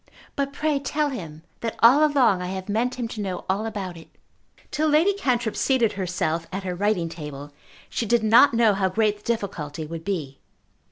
"But pray tell him that all along I have meant him to know all about it." Till Lady Cantrip seated herself at her writing table she did not know how great the difficulty would be.